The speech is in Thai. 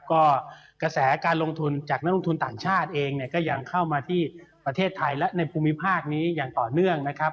ก็กระแสการลงทุนจากนักลงทุนต่างชาติเองเนี่ยก็ยังเข้ามาที่ประเทศไทยและในภูมิภาคนี้อย่างต่อเนื่องนะครับ